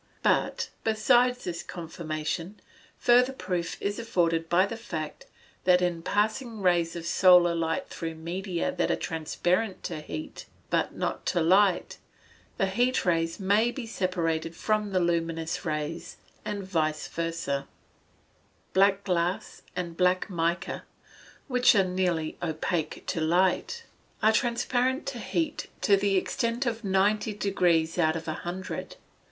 But, besides this confirmation, further proof is afforded by the fact, that in passing rays of solar light through media that are transparent to heat, but not to light, the heat rays may be separated from the luminous rays, and vice versa. Black glass, and black mica, which are nearly opaque to light, are transparent to heat to the extent of ninety degrees out of a hundred.